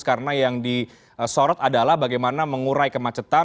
karena yang disorot adalah bagaimana mengurai kemacetan